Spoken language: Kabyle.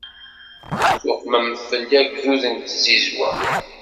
Tuqmem fell-i agdud n tzizwa.